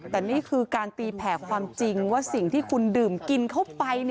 แต่นี่คือการตีแผ่ความจริงว่าสิ่งที่คุณดื่มกินเข้าไป